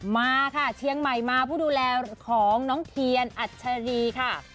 มาค่ะเชียงใหม่มาผู้ดูแลของน้องเทียนอัชรีค่ะ